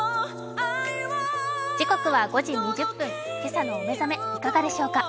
時刻は５時２０分、今朝のお目覚めいかがでしょうか。